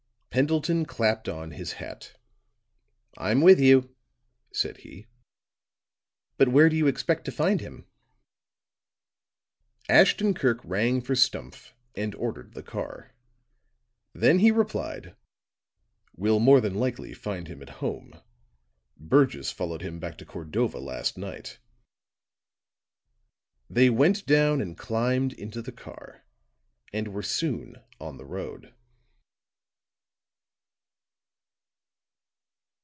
Pendleton clapped on his hat. "I'm with you," said he, "but where do you expect to find him?" Ashton Kirk rang for Stumph and ordered the car; then he replied: "We'll more than likely find him at home. Burgess followed him back to Cordova, last night." They went down and climbed into the car, and were soon on the road.